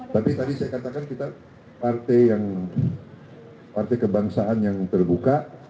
tapi tadi saya katakan kita partai yang partai kebangsaan yang terbuka